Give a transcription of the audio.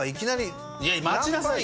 いや待ちなさいよ！